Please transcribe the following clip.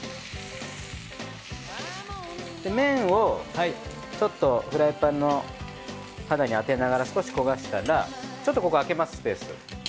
麺をちょっとフライパンの肌に当てながら少し焦がしたらちょっとここ空けますスペース。